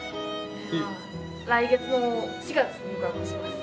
来月の４月に入学します。